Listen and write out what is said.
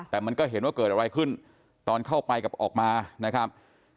แต่มันก็เห็นว่าเกิดอะไรขึ้นตอนเข้าไปกับออกมานะครับ